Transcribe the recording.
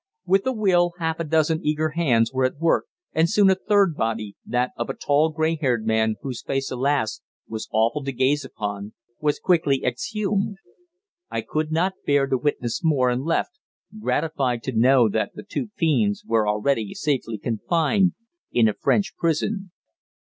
With a will, half a dozen eager hands were at work, and soon a third body that of a tall, grey haired man, whose face, alas! was awful to gaze upon was quickly exhumed. I could not bear to witness more, and left, gratified to know that the two fiends were already safely confined in a French prison.